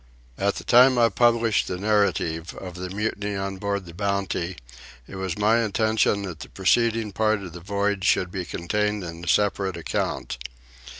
At the time I published the Narrative of the Mutiny on Board the Bounty it was my intention that the preceding part of the Voyage should be contained in a separate account.